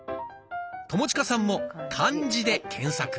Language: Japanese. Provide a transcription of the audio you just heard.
友近さんも「漢字」で検索。